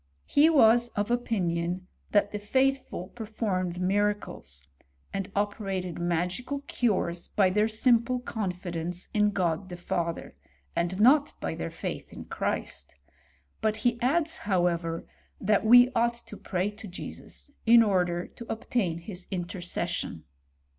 He was of opinion that the faithful performed miracles, and operated magical cures by their simple confidence in God the Father^ and not by their faith in Christ; but he adds, however, that we ought to pray to Jesus, in order to obtain his intercession.